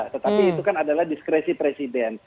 tetapi itu kan adalah diskresi presiden